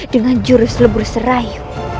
dengan jurus lebur serayu